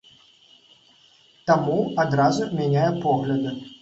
Таму адразу мяняе погляды.